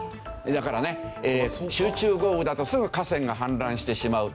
だからね集中豪雨だとすぐ河川が氾濫してしまう。